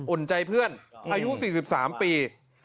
อุ่นใจเพื่อนอายุ๔๓ปี